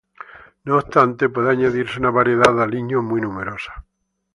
No obstante puede añadirse una variedad de aliños muy numerosa.